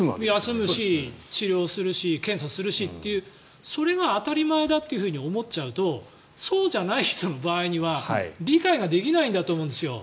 休むし、治療するし検査するしというそれが当たり前だと思っちゃうとそうじゃない人の場合には理解ができないんだと思うんですよ。